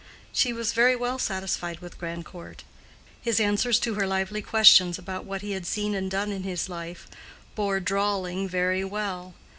She was very well satisfied with Grandcourt. His answers to her lively questions about what he had seen and done in his life, bore drawling very well.